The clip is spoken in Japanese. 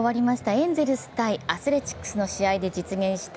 エンゼルス×アスレチックスの試合で実現した